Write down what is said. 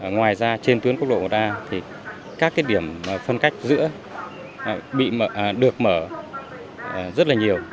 ngoài ra trên tuyến quốc lộ một a thì các điểm phân cách giữa được mở rất là nhiều